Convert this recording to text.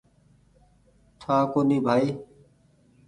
ٺآ ڪونيٚ ڀآئي